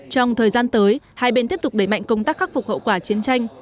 trong thời gian tới hai bên tiếp tục đẩy mạnh công tác khắc phục hậu quả chiến tranh